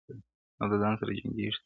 او د ځان سره جنګېږي تل-